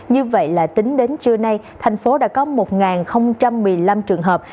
như vậy là tính đến trưa nay thành phố đã có một một mươi năm trường hợp